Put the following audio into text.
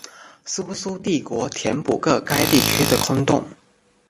苏苏帝国填补个该地区的空洞。